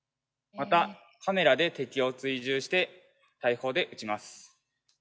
またカメラで敵を追従して大砲で撃ちます。